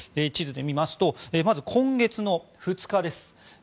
地図で見ますとまず今月２日です